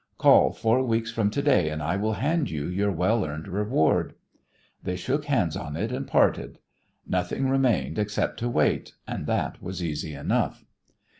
Call four weeks from to day and I will hand you your well earned reward." They shook hands on it and parted. Nothing remained except to wait, and that was easy enough.